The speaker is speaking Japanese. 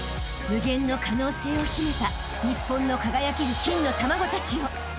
［無限の可能性を秘めた日本の輝ける金の卵たちよ］